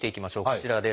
こちらです。